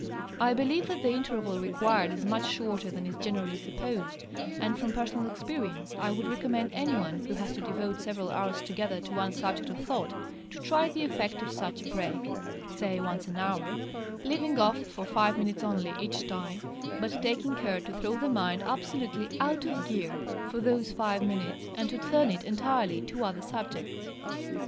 I believe that the interval required is much shorter than is generally supposed, and from personal experience, I would recommend anyone, who has to devote several hours together to one subject of thought, to try the effect of such a break, say once an hour, leaving off for five minutes only each time, but taking care to throw the mind absolutely 'out of gear' for those five minutes, and to turn it entirely to other subjects.